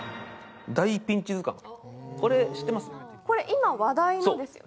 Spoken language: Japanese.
今、話題のやつですよね。